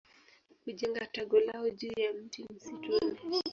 Hujenga tago lao juu ya mti msituni.